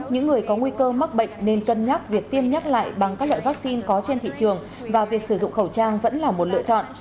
những người có nguy cơ mắc bệnh nên cân nhắc việc tiêm nhắc lại bằng các loại vaccine có trên thị trường và việc sử dụng khẩu trang vẫn là một lựa chọn